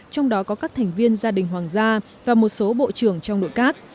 trong đó có các thành viên gia đình hoàng gia và một số bộ trưởng trong đội cát